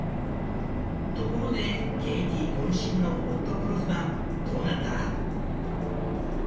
ところでケイティ渾身のホットクロスバンどうなった？